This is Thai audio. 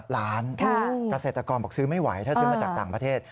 ๕ล้านกาเศรษฐกรบอกซื้อไม่ไหวถ้าซื้อมาจากต่างประเทศ